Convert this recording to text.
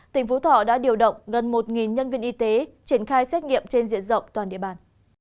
tỉnh phú thọ đã điều động gần một nhân viên y tế triển khai xét nghiệm trên diện rộng toàn địa bàn